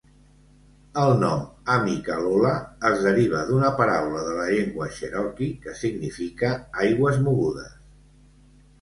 El nom "Amicalola" es deriva d'una paraula de la llengua cherokee que significa "aigües mogudes".